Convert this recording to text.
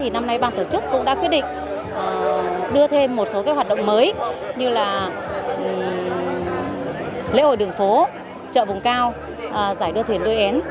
năm nay bàn tổ chức cũng đã quyết định đưa thêm một số hoạt động mới như lễ hội đường phố trợ vùng cao giải đua thuyền đuôi én